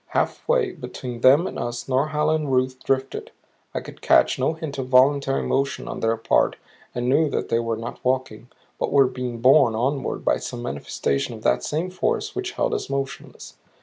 Halfway between them and us Norhala and Ruth drifted; I could catch no hint of voluntary motion on their part and knew that they were not walking, but were being borne onward by some manifestation of that same force which held us motionless.